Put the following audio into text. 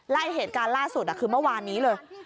และเหตุการณ์ล่าสุดคือเมื่อวานนี้เลย